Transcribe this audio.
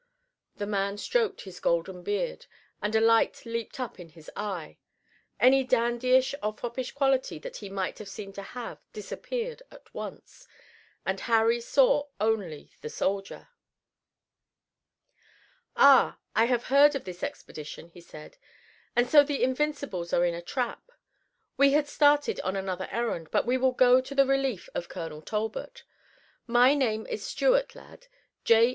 The man stroked his golden beard and a light leaped up in his eye. Any dandyish or foppish quality that he might have seemed to have disappeared at once, and Harry saw only the soldier. "Ah, I have heard of this expedition," he said, "and so the Invincibles are in a trap. We had started on another errand, but we will go to the relief of Colonel Talbot. My name is Stuart, lad, J.